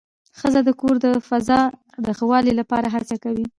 ښځه د کور د فضا د ښه والي لپاره هڅه کوي